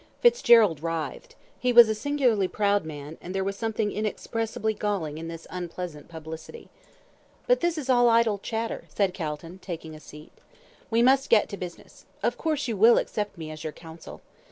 Fitzgerald writhed. He was a singularly proud man, and there was something inexpressibly galling in this unpleasant publicity. "But this is all idle chatter," said Calton, taking a seat. "We must get to business. Of course, you will accept me as your counsel."